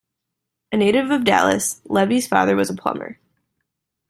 A native of Dallas, Levy's father was a plumber.